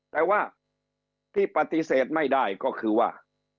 แต่ว่าที่ปฏิเสธไม่ได้ก็คือว่า